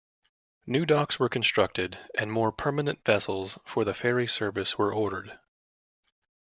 New docks were constructed and more permanent vessels for the ferry service were ordered.